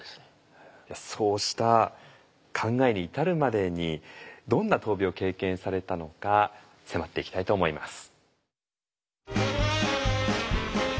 そうした考えに至るまでにどんな闘病を経験されたのか迫っていきたいと思います。